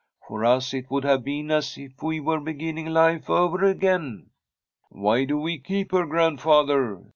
For us it would have been as if we were beginning life over again.' ' Why do we keep her grandfather